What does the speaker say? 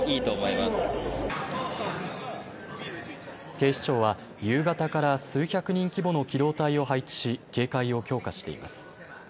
警視庁は夕方から数百人規模の機動隊を配置し警戒を強化しています。